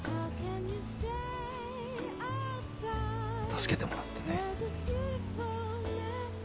助けてもらってね。